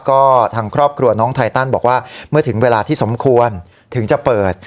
ก็ทางครอบครัวน้องไทตันบอกว่าเมื่อถึงเวลาที่สมควรถึงจะเปิด